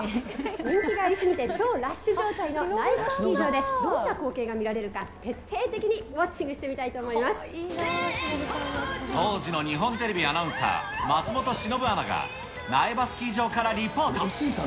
人気があり過ぎて超ラッシュ状態の苗場スキー場で、どんな光景が見られるか、徹底的にウォッチングして見たいと思い当時の日本テレビアナウンサー、松本志のぶアナが、苗場スキー場からリポート。